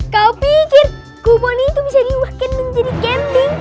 kau pikir kupon ini tuh bisa diwakilin jadi camping